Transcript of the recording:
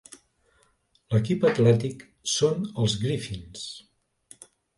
L'equip atlètic són els "Griffins".